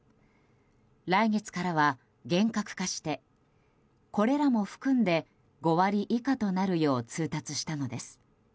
来月からは厳格化してこれらも含んで５割以下となるよう通達したのです。